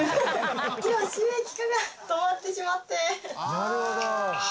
なるほど。